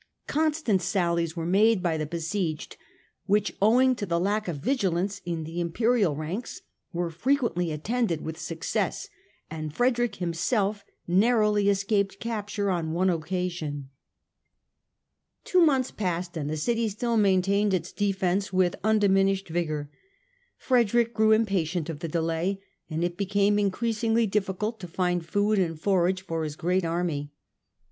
Constant sallies were made by the besieged which, owing to the lack of vigilance in the Imperial ranks, were frequently attended with success, and Frederick himself narrowly escaped capture on one occasion. Two months passed and the city still maintained its defence with undiminished vigour. Frederick grew impatient of the delay, and it became increasingly diffi cult to find food and forage for his great army.